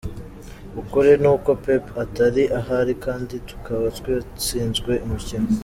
"Ukuri ni uko Pep atari ahari kandi tukaba twatsinzwe umukino.